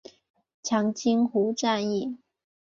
长津湖战役